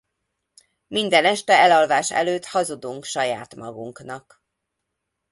Minden este elalvás előtt hazudunk saját magunknak.